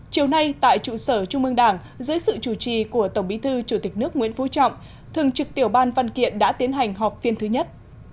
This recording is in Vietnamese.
chiều nay tại trụ sở trung mương đảng dưới sự chủ trì của tổng bí thư chủ tịch nước nguyễn phú trọng thường trực tiểu ban văn kiện đã tiến hành họp phiên thứ nhất